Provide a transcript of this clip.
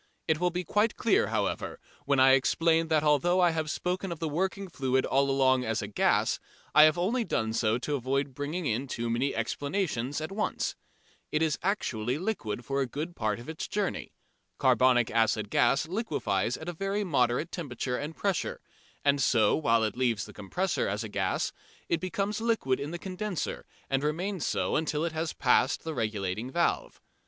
It will be quite clear, however, when I explain that although I have spoken of the working fluid all along as gas, I have only done so to avoid bringing in too many explanations at once. It is actually liquid for a good part of its journey. Carbonic acid gas liquefies at a very moderate temperature and pressure, and so while it leaves the compressor as a gas it becomes liquid in the condenser and remains so until it has passed the regulating valve.